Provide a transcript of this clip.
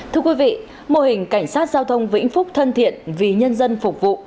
thưa quý vị mô hình cảnh sát giao thông vĩnh phúc thân thiện vì nhân dân phục vụ